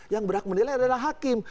yang berhak menilai adalah hakim